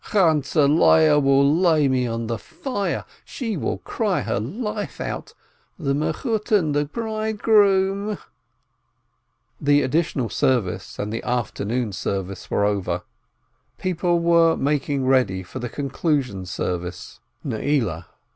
"Chantzeh Leah will lay me on the fire ... she will cry her life out ... the Mechutton ... the bridegroom ..." The Additional Service and the Afternoon Service were over, people were making ready for the Conclusion Service, Neileh.